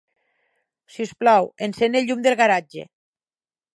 Si us plau, encén el llum del garatge.